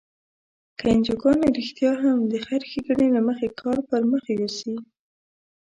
که انجوګانې رښتیا هم د خیر ښیګڼې له مخې کار پر مخ یوسي.